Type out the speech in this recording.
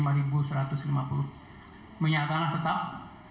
minyak tanah tetap